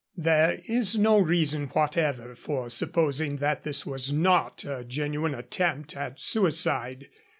There is no reason whatever for supposing that this was not a genuine attempt at suicide.